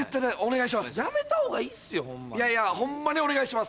いやいやホンマにお願いします。